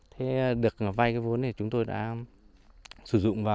thế được vay cái vốn này chúng tôi đã sử dụng vào